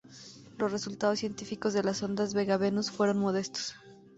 Los resultados científicos de las sondas Vega Venus fueron modestos.